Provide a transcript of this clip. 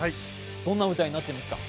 どんな舞台になってますか？